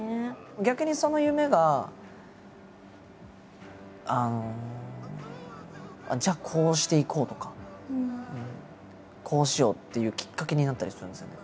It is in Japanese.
逆にその夢がじゃあこうしていこうとかこうしようっていうきっかけになったりするんですよね。